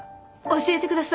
教えてください。